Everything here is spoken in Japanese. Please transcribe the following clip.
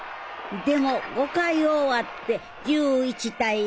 でも５回を終わって１１対０。